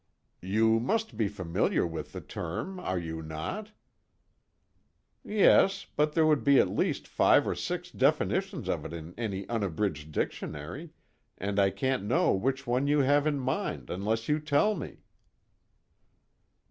"You must be familiar with the term, are you not?" "Yes, but there would be at least five or six definitions of it in any unabridged dictionary, and I can't know which one you have in mind unless you tell me."